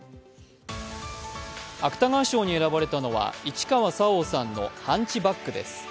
芥川賞に選ばれたのは市川沙央さんの「ハンチバック」です。